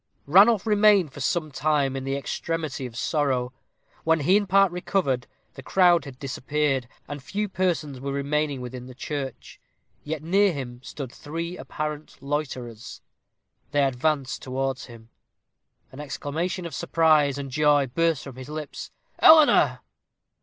Ranulph remained for some time in the extremity of sorrow. When he in part recovered, the crowd had dispersed, and few persons were remaining within the church; yet near him stood three apparent loiterers. They advanced towards him. An exclamation of surprise and joy burst from his lips. "Eleanor!"